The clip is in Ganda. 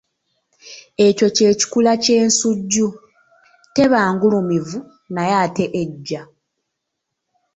Ekyo kye kikula ky’ensujju, teba ngulumivu naye ate egejja.